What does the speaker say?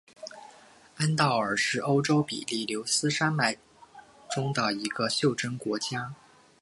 安道尔是欧洲比利牛斯山脉中的一个袖珍国家。